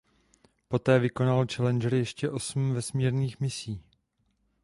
Poté vykonal Challenger ještě osm vesmírných misí.